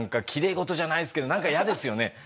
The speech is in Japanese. きれい事じゃないですけどなんか嫌ですよね。